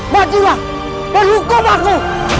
majilah dan hukum aku